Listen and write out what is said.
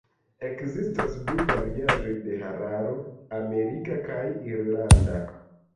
Ekzistas du variaĵoj de hararo: Amerika kaj Irlanda.